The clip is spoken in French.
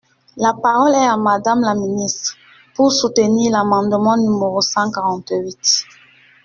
La parole est à Madame la ministre, pour soutenir l’amendement numéro cent quarante-huit.